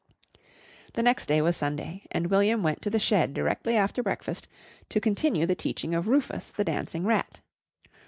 The next day was Sunday, and William went to the shed directly after breakfast to continue the teaching of Rufus, the dancing rat.